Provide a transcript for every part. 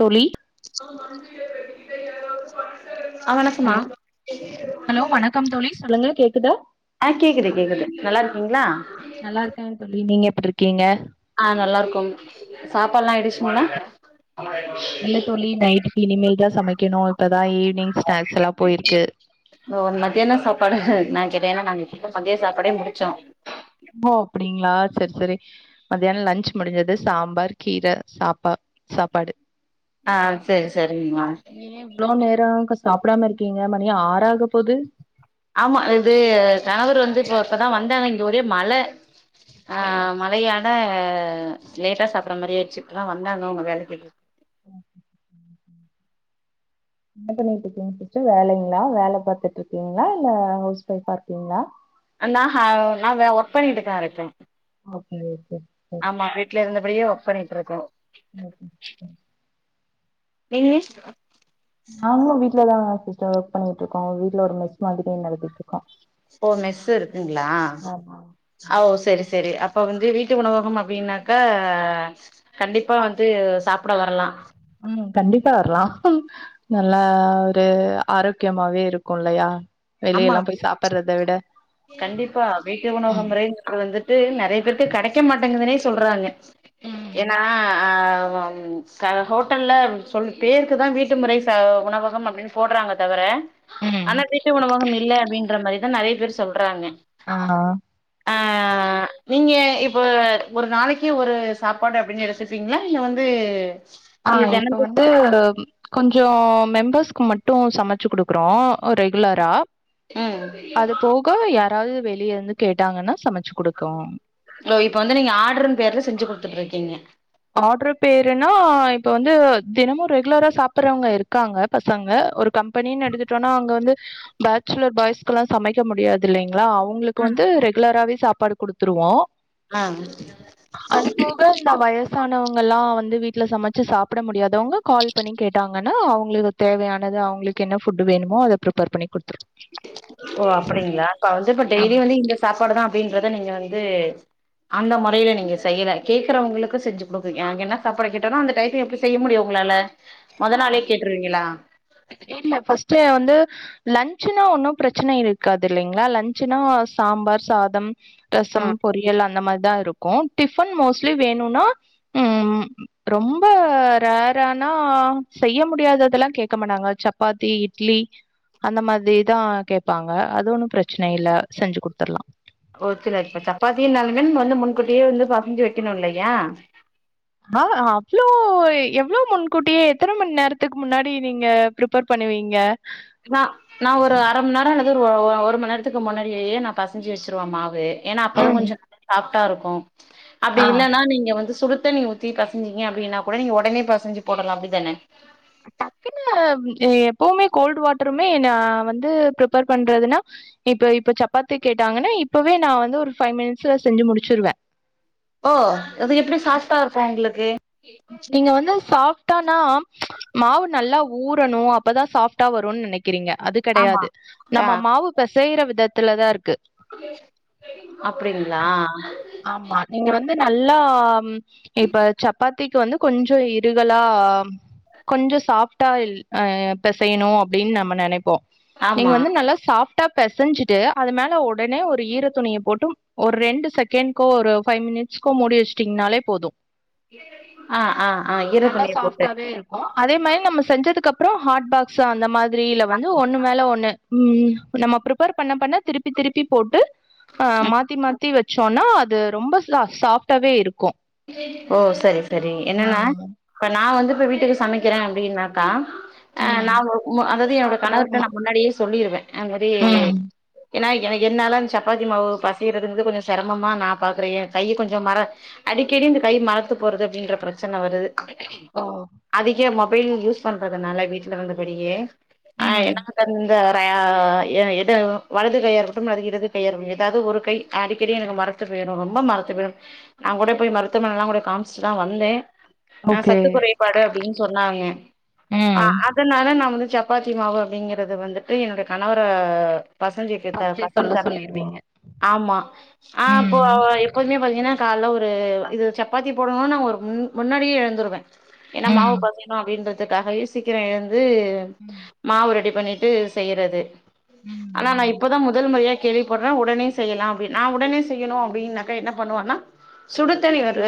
தோழி [inaudible] hello hello வணக்கம் தோழி சொல்லுங்க கேக் குதா ஆ கேக்குது கேக்குது நல்லா இருக்கீங்ளா எப்ருக்கீங்க ஆ நல்லாருக்கோ சாப்பாடலா ஆயிடிச்சு போல இல்ல தோழி நைட்டு இனிமேல்தா சமைக்கணு இப்பதா ஈவ் ஒ மத்யான சாப்பாடு நாங் ஏனா நாங்க இப்பதா மதியான சாப்பாடே முடிச்சோ ஓ அப்படிங்களா செரி செரி மத்தியான லன்ச் முடிஞ்சது சாம்பார் கீர சாப்பா சாப்பாடு ஆ செர் செரிங்மா ஏன் இவ்ளோ நேரம் சாப்டாம இருக்கிங்க மணி ஆறாகப்போது ஆமா இது கணவர் வந்து இப்ப இப்பதா வந்தாங்க இங்க ஒரே மழ அ ஓ மழையால ஆ லேட்டா சாப்பற மாரி ஆயிருச்சு இப்பதா வந்தாங்க அவுங்க வேலைக் போய்ட்டு என்ன பண்ணிட்ருக்கிங்க சிஸ்டர் வேலைங்ளா வேல பாத்துட்ருக்கிங்ளா இல்ல ஹவுஸ் ஒய்ஃபா இருக்கிங்ளா அ நா ஹ நா வ ஒர்க் பண்ணிட்டுதா இருக்க ஓகே ஓகே சரி ஆமா வீட்ல இருந்தபடியே வொ ர்க் பண்ணிட்ருக்கே ஓகே சிஸ்டர் ஃபினிஷ் ஆமா வீட்லதான் சிஸ்டர் ஒர்க் பண்ணிட்டுருக்கோம் வீட்டுல ஒரு மெஸ் மாதிரி நடத்திட்டு இருக்கோம் ஓ மெஸ் இருக்குங்களா ஆமா ஓ சரி சரி இப்ப வந்து வீட்டு உணவகம் அப்டின்னாக்கா கண்டிப்பா வந்து சாப்பிட வரலா ம் கண்டிப்பா வரலாம் நல்லா ஒரு ஆரோக்கியமாவே இருக்கும் இல்லையா வெளிய ஆமா எல்லா போய் சாப்பிடுறத விட கண்டிப்பா வீட்டு உணவக ம் முறை வந்துட்டு நிறைய பேருக்கு கிடைக்க மாட்டேங்குதுனே சொல்றாங்க ம் ஏன்னா ஹோட்டல்ல பேருக்கு தான் வீட்டு முறை உணவகம் அப்படின்னு போடுறாங்க தவிர ம் ஆனா வீட்டு உணவகம் இல்லை அப்டின்ற மாரி இன்னு நிறைய பேர் சொல்ல இப்பதா வந்தே ஆ அ நீங்க இப்ப ஒரு நாளைக்கு ஒரு சாப்பாடு அப்டின்னு எடுத்துப்பீங்களா இல்ல வந்து அ இது இப்ப தெனந்தோ வந்து கொஞ்சம் மெம்பர்ஸுக்கு மட்டும் சமைச்சு குடுக்குறோ ரெகுலரா ம் யாராது வெளிய இருந்து கேட்டாங்கன்னா சமைச்சு குடுக்கோ ஓ இப்ப வந்து நீங்க ஆர்டர்ன் பேர்ல செஞ்சு குடுத்துட்ருக்கிங்க ஆர்டர் பேருனா இப்ப வந்து தினமு ரெகுலரா சாப்பறவங்க இருக்காங்க பசங்க ஒரு கம் பெனின் எடுத்துட்டோனா அங்க வந்து பேச்சுலர் பாய்ஸ்க்லா சமைக்க முடியாதில்லைங் ளா அவங்களுக்கு வந்து ரெகுலராவே சாப் சாப்பாடு குடுத்துருவோ ஆ அது போக இந்த வய சானவங்கலா வந்து வீட்ல சமைச்சு சாப்ட முடியாதவங்க கால் பண்ணி கேட்டாங்கன்னா அவங்களுக்கு தேவையானது அவங்களுக்கு என்ன ஃபுட்டு வேணுமோ அத ப்ரிப்பர் பண்ணி குடுப் ஓ அப்டிங்களா அப்ப வந்து இப்ப ஆமா. டெய்லி வந்து இந்த சாப்பாடுதா அப்டி றத நீங்க வந்து அந்த முறையில நீங்க செய்யல கேக்குறவங்களுக்கு செஞ்சு குடுக் எனக்கு என்ன சாப்பாடு கேட்டாலு அந்த டயத்துக்கு எப்டி செய்ய முடியு உங்களால மொத ஆ நாளே கேட்டுருவீங்களா இல்ல ஃபஸ்டே வந்து லன்ச்சுனா ஒன்னு பிரச்சனை இருக்காது இல்லைங்ளா லன்ச்சுனா சாம்பார் சாதம் ஆ ரசம் பொரியல் அந்த மாரி தா இருக்கு டிஃபன் மோஸ்ட்லி வேணுனா ம் ரொம்ப ரேரானா செய்ய முடியாததெல்லா கேக்க மாட்டாங்க சப்பாத்தி இட்லி அந்த மாதிரிதா கேப்பாங்க அது ஒன்னு பிரச்சனை இல்ல செஞ்சு குடுத்தர்லா ஒ சில இப்பா சப்பாத்தி நாலுமேன் வந்து முன்கூட்டியே வந்து பசஞ்சு வெக்கணு இல்லையா ஆவ அ அவ்ளோ எவ்ளோ முன்கூட்டியே எத்தன மண் நேரத்துக்கு முன்னாடி நீங்க ப்ரிப்பர் பண்ணுவீங்க நா நா ஒரு அரம் நேரோல கிருவோ ஒ ஒரும நேர்த்துக்கு முன்னாடியே நா பசஞ்சு வச்சுருவ மாவு ஏன்னா அப்பதா ம். கொஞ்சோ [inaudible] சாப் டா இருக்கு அப்டி ஆ இல்லனா நீங்க வந்து சுடுத் சுடுண்ணி ஊத்த பெசஞ்சிங்க அப்டின்னாக் கூட நீங்க ஒடனே பெசஞ்சு போடலா அப்பிடிதானே டக்குனு எப்பவுமே கோல்டு் வாட்டருமே ந வந்து ப்ரிப்பர் பண்றதுனா இப்ப இப்ப சப்பாத்தி கேட்டாங்கன்னா இப்பவே நா வந்து ஒரு பைவ் மினிட்ஸ்ல செஞ்சு முடிச்சிருவே ஓ அது எப்புடி சாஃப்டா இருக்கோ உங்களுக்கு நீங்க வந்து சாஃப் நாம் மாவு நல்லா ஊறனு அப்பதா சாஃப்டா வருனு நினைக் கிறீங்க அது ஆமா கெடையாது ஆ நம்ம மாவு பெஸ் செய்ற விதத்துல தா இருக்கு அப்டிங்களா ஆமா நீங்க வந்து நல்லா இப்ப சப் பாத்திக்கு வந்து கொஞ்சோ இருகலா கொஞ்சோ சாஃப்டா ல் பெசையணு அப்டின்னு நாம்ம நெனைப்போ நீங்க ஆமா வந்து நல்லா சாஃப் டா பெசஞ்சிட்டு அது மேல ஒடனே ஒரு ஈர துணியை போட்டு ஒரு ரெண்டு செகண்ட்கோ ஒரு ஃபைவ் மினிட்ஸ்கோ மூடி வெச்சிட்டீங்கனாலே போது ஆஹ் ஆஹ் ஆஹ் இரதுணிய போட்டு சாஃப்ட்டாவே இருக்கும். அதே மாரி நம்ம செஞ்சதுக்கு அப்புறோ ஹாட் பாக்ஸ் அந்த மாரி திரீல வந்து ஒண்ணு மேல ஒண்ணு உம் நம்ம ப்ரீப்பர் பண்ண பண்ண திருப்பி திருப்பி போட்டு ஆஹ் ம் மாத்தி மாத்தி வச் சொன்னா அது ரொம்ப ச-சாப்டாவே இருக்கு [inaudible] ஓ செரி செரி என்னன்னா ம். இப்ப நா வந்து ப்ப வீட்டுக்கு சமைக்கிறே அப்டினாகா ஆஹ் நா ம். [unintelligible] அதாவது என்னோட ஹாஃப் அன் கணவர்ட்ட ஹவர்மா நா முன்னாடியே சொல்லிருவ அது மாரி ம். ஏனா எனக்கு என்னால சப்பாத்தி மாவு பசைறங்குறது கொஞ்சோ சிரமமா நா பாக்குற கையே கொஞ்சோ மர அடிக்கடி இந்த கை மறத்து போறது அப்படின்ற பிரச்சன வருது ஓ. அதுக்கே மொத் மொபைல் யூஸ் பண்றதுனால வீட்ல வந்து பெரிய ஆஹ் ம். என்னா தந்த ப்பா எது வலது கையாருக்கட்டு இடது கையாறக்கட்டு ஏதாவது ஒரு கை அடிக்கடி எனக்கு மரத்து பேயிரு ரொம்ப மரத்து போயிடு நான் கூடய போய் மருத்துவமனையேல்லா கூட காமிச்சுட்டு தா வந்தே ஆ ஓகே. சத்து குறைபாடு அப்டின்னு சொன்னாங்க ஆ ம். அதனால நா வந் சப்பாத்தி மாவு அப்டிங்கறது வந்துட்டு என்னுடைய கணவர பசதிக்கி ஃபர்ஸ்ட்டே பச சொல்ல தர சொல்லிருவீங்க. ஆமா ஆஹ் அப்போ ம். எப்போதுமே பாத்தீங்கன்னா கால ஒரு இருவது சப்பாத்தி போடணு முன்னாடியே எழுந்துருவ ஏன்னா மாவு ம். பெசணு அப்டின்றதுக்காக சீக்கிரம் எ இது ம். மாவு ரெடி பண்ணிட்டு விட்டு செய்யறது ஆனா நா ம் இப்பதா முதல் முறையா கேள்விப்படுற உடனே செய்யலா அப்படி நா உடனே செய்யணு அப்டின்னாக்கா என்ன பண்ணுவனா சுடுத்தண்ணி ஒரு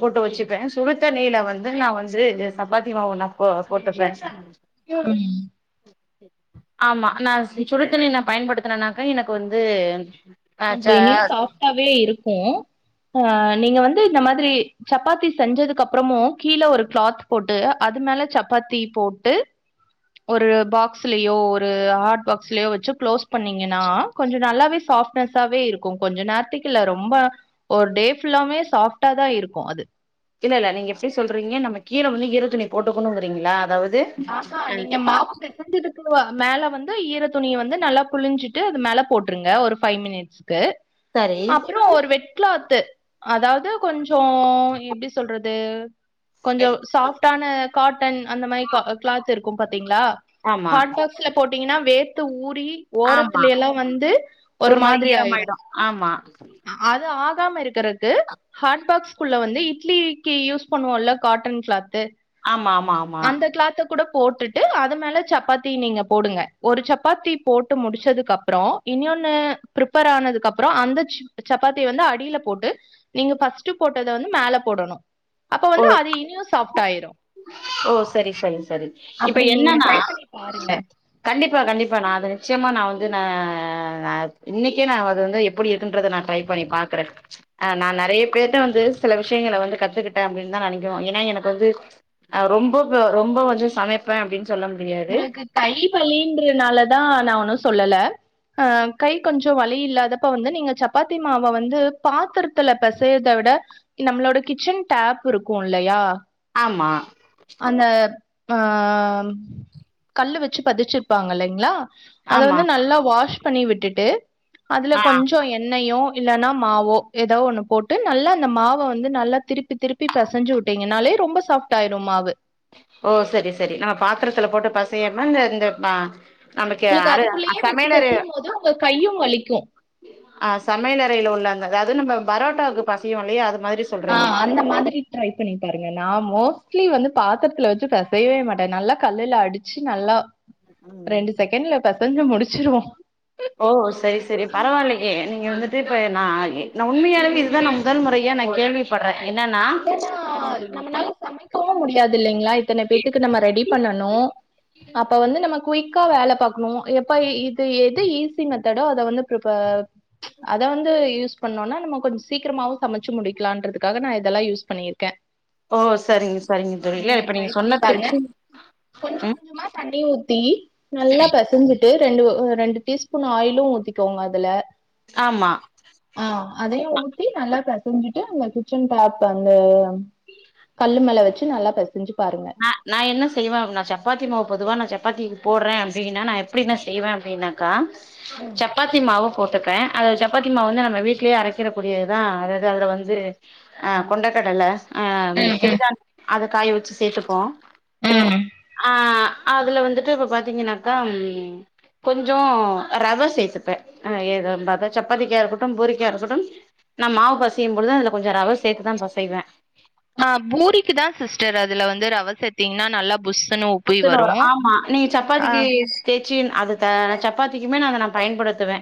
போட்டு வெச்சுப்ப சுடுத்தண்ணியில வந்து நா வந்து சப்பாத்தி மாவு நா போ போட்டுப்ப உம் ஆமா நா சுடுதண்ணி பயன்படுத்தனனாக்கா எனக்கு வந்து ஆ கொஞ்சோ ச இனி சாஃப்டாவே இருக்கு நீங்க வந்து இந்த மாதிரி சப்பாத்தி செஞ்சதுக்கு அப்புறமும் கீழே ஒரு கிளாத் போட்டு அது மேல சப்பாத்தி போட்டு ஒரு பாக்சுலயோ ஒரு ஹார்ட் பாக்சுலயோ வெச்சு குளோஸ் பண்ணீங்கன்னா கொஞ்ச நல்லாவே சாஃப்ட் ஸாவே இருக்கு கொஞ்ச நேரத்துக்கு இல்ல ரொம்ப ஒரு டே ஃபுல்லாமே சாஃப்ட்டா தா இருக்கு அது இல்ல இல்ல நீங்க எப்டி சொல்றீங்க நம்ம கீழ வந்து ஈர துணி போட்டுக்கணுங்கிறீங்களா அதாவது ஆஹா நீங்க மாவு பெசைஞ்சிருக்குவா மேல வந்து ஈர துணிய வந்து நல்லா புழிஞ்சிட்டு அது மேல போட்டிருங்க ஒரு ஃபைவ் மினிட்ஸ் க்கு சரி அப்புறம் ஒரு வெட் வெட் கிளாத்து அதாவது கொஞ்சோ எப்டி சொல்றது எ கொஞ்சோ சாஃப் டான காட்டன் அந்த க்ளாத் இருக்கும் பாத்தீங்களா ஆமா ஹாட் பாக்ஸ்ல போ ங்கன்னா வேத்து ஊரி ஆமா ஓரத்துல எல்லா வந்து ஒரு மாரி மாதிரி ஆயிரும் ஈரமாயிடு ஆமா அது ஆக இருக்காம இருக்கிறதுக்கு ஹாட் பாக்ஸ்குள்ள வந்து இட்லிக்கி யூஸ் பண்ணுவோம்ல்ல காட்டன் கிளாத் ஆமா ஆமா ஆமா கிலாத்த கூட போட்டுட்டு அது மேல சப்பாத்தி நீங்க போடுங்க ஒரு சப்பாத்தி போட்டு முடிச்சதுக்கு அப்புறம் இன்னொன்னு ஃபிரிப்பேர் ஆனதுக்கு அப்புறம் அந்த சிப் சப்பாத்திய வந்து அடியில போட்டு நீங்க பர்ஸ்ட் போட்டத வந்து மேல போடணும் அப்ப ஓ வந்து அது இனியும் சாஃப்ட் ஆயிரும் செரி இப்ப அப்படி நீங்க என்னன்னா ட்ரை பண்ணி பாருங்க கண்டிப்பா கண்டிப்பா நா அத நிச்சயமா நா வந்து நா இன்னிக்கே நா அது வந்து எப்பிடி ன்றத நா ட்ரை பண்ணி பாக்குற நா நெறைய பேர்ட்ட வந்து சில விஷயங்களை வந்து கத்துக்கிட் அஹ் அப்டின்னுதா நெனைக்கனு ஏன்னா எனக்கு வந்து அஹ் ரொம்ப ரொம்ப வந்து சமைப்பே அப்டின் உங்ளுக்கு தை வலின்றுனாலதா நா ஒன்னு சொல்லல அ கை கொஞ்சோ வலி இல்லாதப்ப வந்து நீங்க சப்பாத்தி மாவ வந்து பாத்துரத்துல பெசயர்த விட நம்ளோட கிச்சன் டேப் இருக்கு இல்லயா ஆமா அந்த ம ம் லுவச்சு பதிச்சிருப்பாங்க இல்லைங்ளா அத ஆமா வந்து நல்லா வாஷ் பண்ணி விட்டுட்டு அதுல ஆ கொஞ்சோ எண்ணயு இல்லன்னா மாவோ ஏதோ ஒன்னு போட்டு நல்லா அந்த மாவ வந்து நல்லா திருப்பி திருப்பி பொசஞ்சு உட்டீங்கனாலே ரொம்ப சாஃப்ட் ஆயிரு மாவு ஓ சரி சரி நம்ம பாத்தரத்துல போட்டு பசையர்னா இந்த இந்த பா நமக்கு உங்களுக்கு யாரு அ அதுக்குள்ளயே வச்சு சமைலரு பெசையும் போது உங்க கையு வலிக்கு அ சமைல் அறைல ஒன்ன வெதாது நம்ப பரோட்டாவுக்கு பசயு இல்லியா அது மாதிரி சொல்றீங்க ஆஹ் அந்த மாதிரி ட்ரை பண்ணி பாருங்க நான் மோஸ்ட்லி வந்து பாத்துறத்துல வெச் நா செய்யவே மாட்டேன் நல்லா கல்லுல்ல அடிச்சு நல்லா ம் ரெண்டு செகண்ட்லப் பெசஞ்சு முடிச்சிருவோம் ஓ சரி சரி பரவால்லியே நீங்க வந்துட்டு இப்ப நான் இ நான் உண்மையாளுமே இத நா முதல் முறையா நா கேள்விப்பட்றேன் இல்லனா நம்மனால சமைக்கவும் முடியாது இல்லைங்களா இத்தனை பேத்துக்கும் நம்ம ரெடி பண்ணனு அப்ப வந்து நம்ம குயிக் கா வேல பாக்கணும் எப்பயி இக் எது ஈசி மெத் தட அத வந்து பிரிப்பேர் அத வந்து யூஸ் பண்ணோன்னா நம்ம கொஞ்சோ சீக்கிரமாவும் சமைச்சு முடிக்கலான்றத்துக்காக நான் இத்த இதெல்லாம் யூஸ் பண்ணியிருக்கேன் ஓ சரிங்க சரிங்க தோழி இல்ல நீங்க இப்ப ட்ரை பண்ணி சொன்ன பாருங்க டிப்ஸு கொஞ்சம் ம் கொஞ்சமா தண்ணி ஊத்தி நல்லா பெசஞ்சு ரெண்டே ரெண்டு ஒர் ரெண்டு டீ ஸ்பூன் ஆயிலும் ஊத்திக்கோங்க அதுல ஆமா ஆ அதையும் ஊத்தி நல்லா பெசஞ்சிட்டு அந்த கிச்சன் ப சந்தேகம் கல்லு மேல வச்சு நல்லா பெசஞ்சு பாருங்க ஆ நா என்ன செய்வ அப்னா சப்பாத்தி மாவு பொதுவா நா சப்பத்திக்கு போடறே அப்டின்னா நா எப்படி நா செய்வே அப்டின்னாக்கா ம் சப்பாத்தி மாவு போட் டுப்பே அது சப்பாத்தி மாவு வந்து நம்ம வீட்லயே அரைக்கிறக் கூடியதுதா அதாது அதுல வந்து ஆ கொண்டக்கடலை ஆ அது ம் சிறுதானி அத காய வெச்சு சேத்து ப்போ ம் ஆ அதுல வந்துட்டு இப்ப பாத்திங்கனாக்கா கொஞ்ச ரவ சேத்துப்பே ஏதாந்தா சப்பாத்திக்கா இருக்கட்டும் பூரிக்கா இருக்கட்டும் நா மாவு பெசையும் பொழுது அதுல கொஞ்ச ரவ சேத்துதா பெசைவே ஆ பூரிக்குதா சிஸ்டர் அதுல வந்து ரவ சேத்திங்னா நல்லா புஷ் புஸ்ஸுனு வரு ஆமா நீங்க சப்பாத்திக்கு தேச்சி அது அ சப்பாத்திக்குமே நா அத நா பயன்படுத்துவே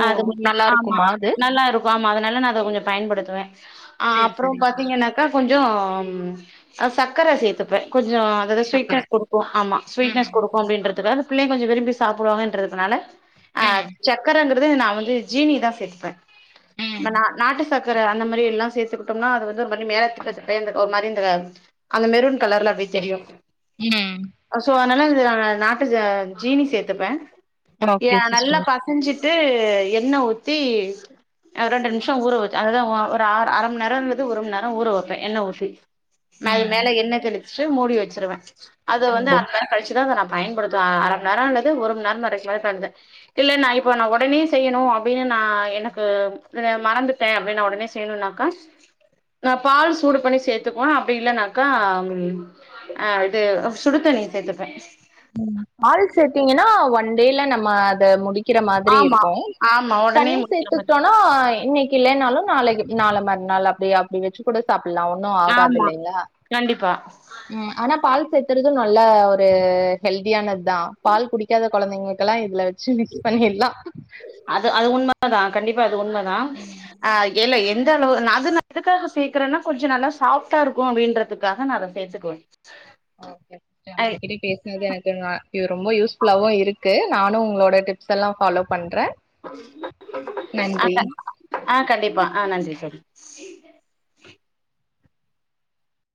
ஓ அது நல்லா ஆமா இருக்குமா அது நல்லா இருக்கு ஆமா அதனால நா அத கொஞ்ச பயன்படுத்துவே அ சேரி அப்ற சேரிங்க சிஸ்டர் பாத்திங்கனாக்கா கொஞ்ச ம் சக்கர சேத்துப்ப கொஞ்ச அதுல ஸ்வீட் சக்கர னஸ் குடுக்கு ஆமா ஸ்வீட்னெஸ் ம் குடுக்கு அப்படின்றதுக்காக பிள்ளையு கொஞ்ச விரும்பி சாப்பிடுவாங்கன்றதுனால ஆ ம் சக்கரங்க நா வந்து ஜீனிதா சேத்துப்ப ம் நா நாட்டு சக்கர அந்த மாரி எல்லா சேத்துக்கிட்டம்னா அது வந்து ஒரு மாரி மேல சக்க சக்கயா ஒரு மாரிந்த அந்த மெருன் கலர்ல அப்டியே தெரியு ம் சோ அதனால நாட்டு ஜ ஜீனி சேத்துப்பே இத ஓகே நல்லா சிஸ்டர் பெசஞ்சிட் டு எண்ணெ ஊத்தி ரெண்டு நிமிஷ ஊற வெச் அதுதா ஒ ஒரு அ அர மண் நேரங்றது ஒரு மண் நேர ஊற வெப்பே எண்ணெ ஊத்தி மேல ம் மேல எண்ணெ தெளி ச்சு மூடி வெச்சுருவே அது வந்து ஓ அர மண் நேர கழிச்சுதா அத நா பயன்படுத்த அரமண் நேர அல்லது ஒருமண் நேர கழிச்சுதா செஞ்ச இல்ல நா இப்ப நா ஒடனே செய்யணு அப்டின்னு நா எனக்கு மறந்துட்டே அப்டி நா உடனே செய்ணுனாக்கா நா பால் சூடு பண்ணி சேத்துக்குவ அப்டி இல்லனாக்கா ஆ இது சுடு தண்ணி சேத்துப்பே பால் சேத்தீங்கன்னா ஒன் டே ல நம்ம அத முடி க்கிற மாதிரி ஆமா இருக்கு ஆமா ஒடனே தண்ணி முடிக்கிற மாரி சேத்துக்ட்டோனா இன்னைக்கு இல்லைனாலு நாளைக்கு இ நாள மற்நாள் அப்டே அப்டி வெச்சு கூட சாப் பில்லா ஒன்னு ஆகாத் ஆமா இல்லைங்ளா கண்டிப்பா ம் ஆனா பால் சேத்தறது நல்லா ஒரு ஹெல்தியானத்தா பால் குடிக்காத கொழந்தைங்ளுகெல்லா இதுல வெச் அது அது உண்ம தா கண்டிப் து உண்மதா ம் அ ஏல எ இந்த அளவு ந அது ந எதுக்காக சேக்குறன்னா கொஞ்ச நல்லா சாஃப்ட்டாருக்கு அப்டின்றதுக்காக நா அத சேத்துக்குவ ஓக்கே ஜாப்டுகிடே பேஸ்னது எனக்குன்வ இவு ரொம்போ யூஸ்புல்லாவு இருக் கு நானு உங்ளோட டிப்ஸ் எல்லா ஃபாலோ பண்ற அந்த அ கண்டிப்பா அ நன்றி சரி